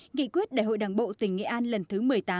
nghị quyết đại hội đảng bộ tỉnh nghệ an lần thứ một mươi tám